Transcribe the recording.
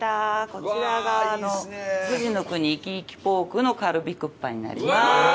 こちらがふじのくにいきいきポークのカルビクッパになります。